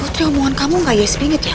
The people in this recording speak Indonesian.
putri omongan kamu gak yes bingit ya